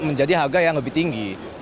menjadi harga yang lebih tinggi